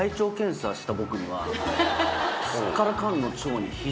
すっからかんの。